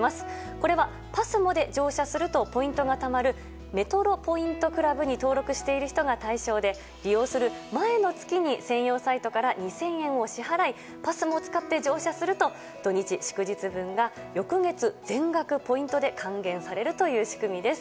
これはＰＡＳＭＯで乗車するとポイントがたまるメトロポイントクラブに登録している人が対象で利用する前の月に専用サイトから２０００円を支払いＰＡＳＭＯを使って乗車すると土日祝日分が翌月、全額ポイントで還元されるという仕組みです。